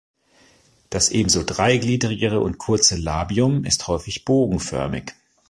Das ebenso dreigliedrige und kurze Labium ist häufig bogenförmig.